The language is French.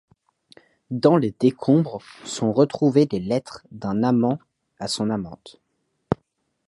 Dans les décombres sont retrouvées les lettres d’un amant à son amante.